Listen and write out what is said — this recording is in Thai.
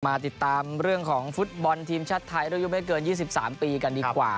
มาติดตามเรื่องของฟุตบอลทีมชาติไทยรุ่นอายุไม่เกิน๒๓ปีกันดีกว่า